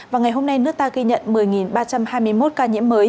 và ngày hôm nay nước ta ghi nhận một mươi ba trăm hai mươi một ca nhiễm mới